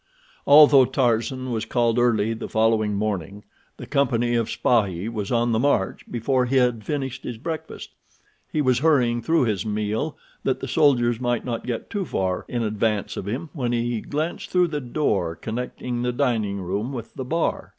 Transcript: Although Tarzan was called early the following morning, the company of spahis was on the march before he had finished his breakfast. He was hurrying through his meal that the soldiers might not get too far in advance of him when he glanced through the door connecting the dining room with the bar.